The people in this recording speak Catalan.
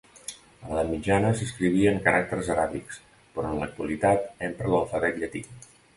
A l'edat mitjana, s'escrivia en caràcters aràbics, però en l'actualitat empra l'alfabet llatí.